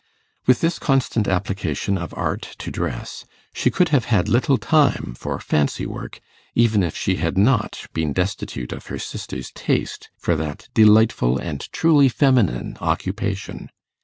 With this constant application of art to dress, she could have had little time for fancy work, even if she had not been destitute of her sister's taste for that delightful and truly feminine occupation.